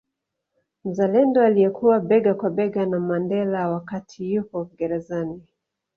Mzalendo aliyekuwa bega kwa bega na Mandela wakati yuko gerezani